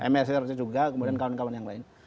mrc juga kemudian kawan kawan yang lain